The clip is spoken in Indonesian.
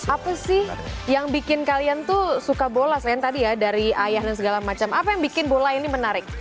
apa sih yang bikin kalian tuh suka bola selain tadi ya dari ayah dan segala macam apa yang bikin bola ini menarik